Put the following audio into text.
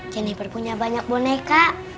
jennifer punya banyak boneka